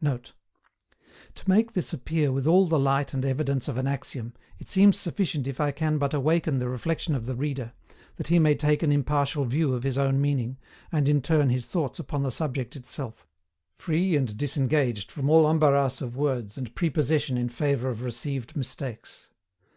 [Note: "To make this appear with all the light and evidence of an axiom, it seems sufficient if I can but awaken the reflection of the reader, that he may take an impartial view of his own meaning, and in turn his thoughts upon the subject itself, free and disengaged from all embarrass of words and prepossession in favour of received mistakes."